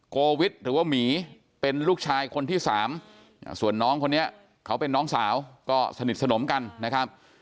โกวิทย์หรือว่าหมีเป็นลูกชายคนที่สามส่วนน้องคนนี้เขาเป็นน้องสาวก็สนิทสนมกันนะครับ